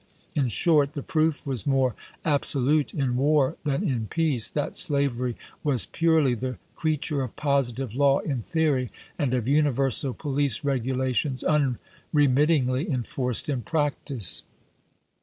In short, the proof was more absolute in war than in peace that slavery was purely the creature of positive law in theory, and of universal police regulations unre mittingly enforced in practice.